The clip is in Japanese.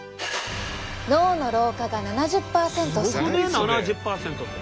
脳の老化が７０％遅く。